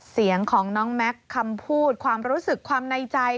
เสียงของน้องแม็กซ์คำพูดความรู้สึกความในใจ